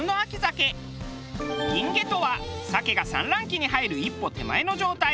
銀毛とは鮭が産卵期に入る一歩手前の状態。